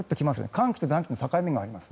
寒気と暖気の境目もあります。